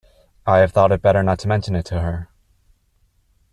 I have thought it better not to mention it to her.